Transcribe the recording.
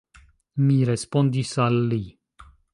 Mi respondis al li.